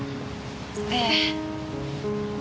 ええ。